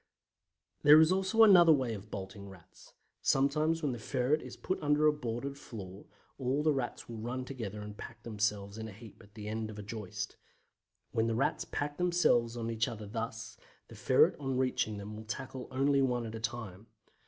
There is also another way of bolting Rats. Sometimes when the ferret is put under a boarded floor, all the Rats will run together and pack themselves in a heap at the end of a joist. When the Rats pack themselves on each other thus, the ferret on reaching them will tackle only one at a time.